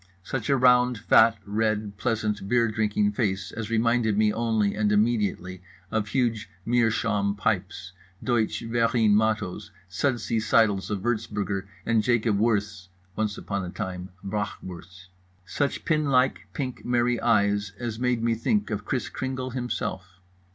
Such a round fat red pleasant beer drinking face as reminded me only and immediately of huge meerschaum pipes, Deutsche Verein mottos, sudsy seidels of Wurtzburger, and Jacob Wirth's (once upon a time) brachwurst. Such pin like pink merry eyes as made me think of Kris Kringle himself.